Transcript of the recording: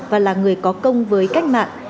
và là người có công với cách mạng